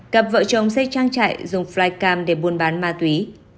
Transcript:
cặp vợ chồng xây trang trại dùng flycam để buôn bán ma túy